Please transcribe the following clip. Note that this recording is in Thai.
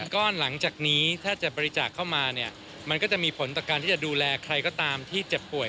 ก็หลังจากนี้ถ้าจะบริจาคเข้ามาเนี่ยมันก็จะมีผลต่อการที่จะดูแลใครก็ตามที่เจ็บป่วย